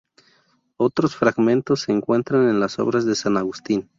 Otros fragmentos se encuentran en las obras de San Agustín.